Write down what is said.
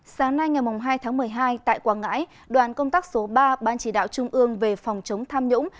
sáng nay ngày hai tháng một mươi hai tại quảng ngãi đoàn công tác số ba ban chỉ đạo trung ương về phòng chống tham nhũng